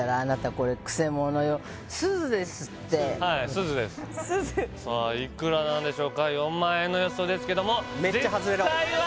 これくせものよすずですってはいすずですさあいくらなんでしょうか４万円の予想ですけども実際は？